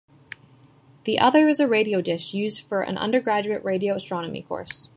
The other is a radio dish used for an undergraduate radio astronomy course.